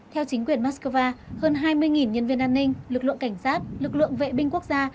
theo chính quyền moscow hơn hai mươi nhân viên an ninh lực lượng cảnh sát lực lượng vệ binh quốc gia